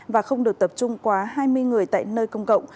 và không được tập trung quá hai mươi người tại nơi công cộng